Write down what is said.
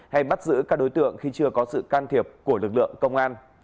hay bắt giữ các đối tượng khi chưa có sự can thiệp của lực lượng công an